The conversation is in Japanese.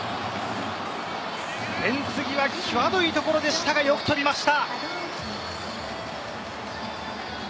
フェンス際、際どいところでしたがよく取りました！